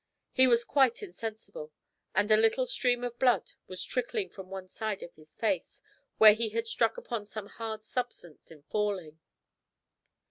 He was quite insensible, and a little stream of blood was trickling from one side of his face, where he had struck upon some hard substance in falling.